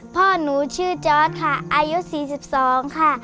พ่อหนูชื่อจอร์ดค่ะอายุ๔๒ค่ะ